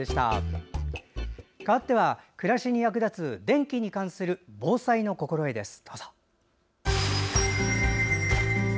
かわっては暮らしに役立つ電気に関する防災の心得です。